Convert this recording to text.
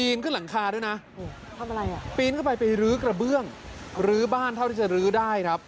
ปีนขึ้นหลังคาด้วยนะปีนเข้าไปไปลื้อกระเบื้องลื้อบ้านเท่าที่จะลื้อได้ครับ